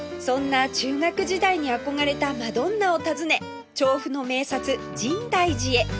そんな中学時代に憧れたマドンナを訪ね調布の名刹深大寺へ